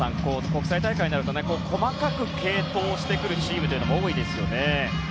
国際大会になると細かく継投してくるチームも多いですよね。